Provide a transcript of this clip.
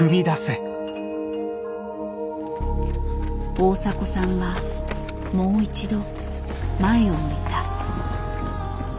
大迫さんはもう一度前を向いた。